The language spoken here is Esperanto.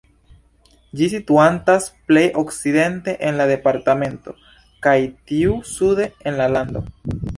Ĝi situantas plej okcidente en la departemento, kaj tiu sude en la lando.